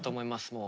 もう。